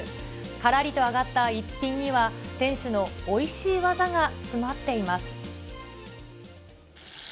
からりと揚がった一品には、店主のおいしい技が詰まっています。